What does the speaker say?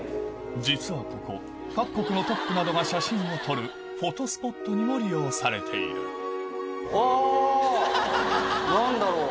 実はここ各国のトップなどが写真を撮るフォトスポットにも利用されているわぁ何だろう。